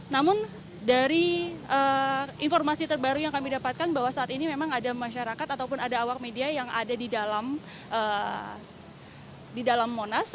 namun dari informasi terbaru yang kami dapatkan bahwa saat ini memang ada masyarakat ataupun ada awak media yang ada di dalam monas